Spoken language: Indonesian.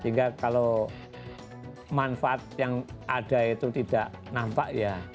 sehingga kalau manfaat yang ada itu tidak nampak ya